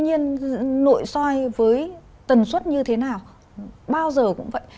nhiên nội soi với tần suất như thế nào bao giờ cũng vậy